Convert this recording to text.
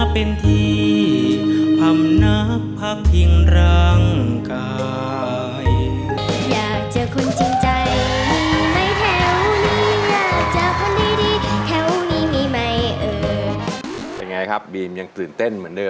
เป็นไงครับบีมยังตื่นเต้นเหมือนเดิ